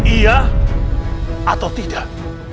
iya atau tidak